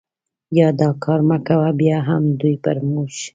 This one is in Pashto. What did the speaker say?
یا دا کار مه کوه، بیا هم دوی پر موږ.